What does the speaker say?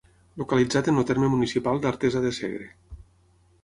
Localitzat en el terme municipal d'Artesa de Segre.